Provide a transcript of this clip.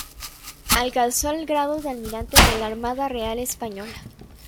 Alcanzó el grado de almirante de la Armada Real Española.